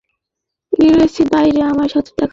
Gracie, বাইরে আমাদের সাথে দেখা কর।